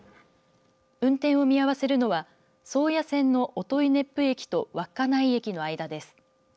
運転を見合わせるのは宗谷線の音威子府駅と稚内駅の間です。